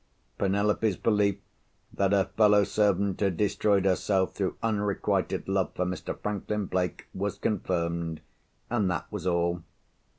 Penelope's belief that her fellow servant had destroyed herself through unrequited love for Mr. Franklin Blake, was confirmed—and that was all.